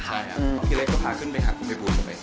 ใช่ครับพี่เล็กก็พาขึ้นไปหากุมพี่บุ้นไป